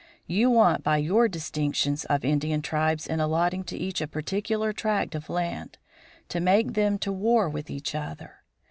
You want by your distinctions of Indian tribes in allotting to each a particular tract of land, to make them to war with each other.